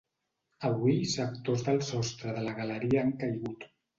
Avui sectors del sostre de la galeria han caigut.